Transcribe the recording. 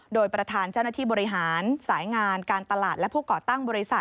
โดยประธานเจ้าหน้าที่บริหารสายงานการตลาดและผู้ก่อตั้งบริษัท